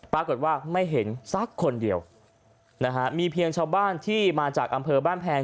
ปรากฏว่าไม่เห็นสักคนเดียวนะฮะมีเพียงชาวบ้านที่มาจากอำเภอบ้านแพง